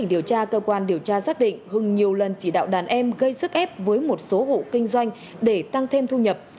điều tra cơ quan điều tra xác định hưng nhiều lần chỉ đạo đàn em gây sức ép với một số hộ kinh doanh để tăng thêm thu nhập